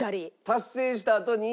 達成したあとに。